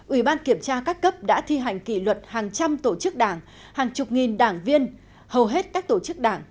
ủy ban kiểm tra các cấp đã thi hành kỷ luật hàng trăm tổ chức đảng hàng chục nghìn đảng viên hầu hết các tổ chức đảng